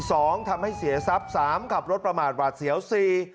สองทำให้เสียทรัพย์สามขับรถประมาทหวาดเสียวสี่